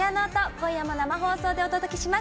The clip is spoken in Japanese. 今夜も生放送でお届けします。